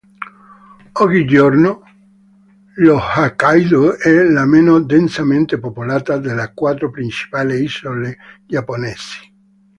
Oggigiorno l'Hokkaidō è la meno densamente popolata delle quattro principali isole giapponesi.